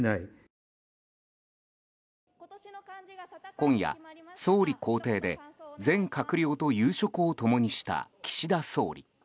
今夜、総理公邸で全閣僚と夕食を共にした岸田総理。